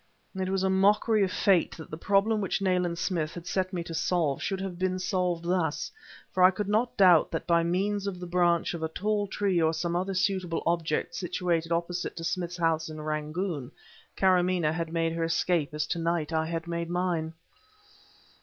It was a mockery of Fate that the problem which Nayland Smith had set me to solve, should have been solved thus; for I could not doubt that by means of the branch of a tall tree or some other suitable object situated opposite to Smith's house in Rangoon, Karamaneh had made her escape as tonight I had made mine.